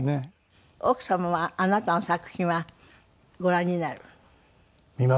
奥様はあなたの作品はご覧になる？見ますね。